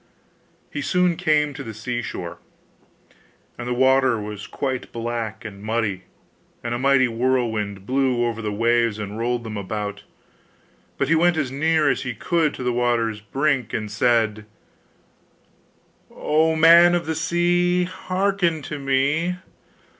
He soon came to the seashore; and the water was quite black and muddy, and a mighty whirlwind blew over the waves and rolled them about, but he went as near as he could to the water's brink, and said: 'O man of the sea! Hearken to me!